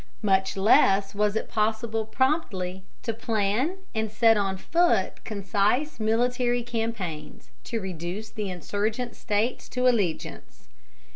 Much less was it possible promptly to plan and set on foot concise military campaigns to reduce the insurgent States to allegiance.